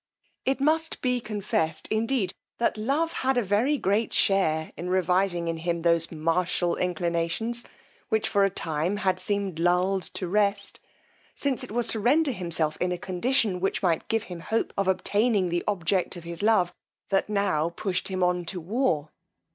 It must be confessed, indeed, that love had a very great share in reviving in him those martial inclinations, which for a time had seemed lulled to rest, since it was to render himself in a condition which might give him hope of obtaining the object of his love that now pushed him on to war.